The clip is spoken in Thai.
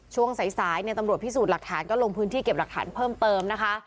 ช่วงสายเนี่ยตำรวจพิสูจน์หลักฐานก็ลงพื้นที่เก็บหลักฐานเพิ่มเติมนะคะ